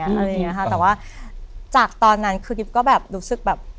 อะไรอย่างเงี้ยค่ะแต่ว่าจากตอนนั้นคือกิ๊บก็แบบรู้สึกแบบ